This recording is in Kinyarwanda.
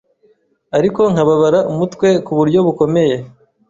ariko nkababara umutwe ku buryo bukomeye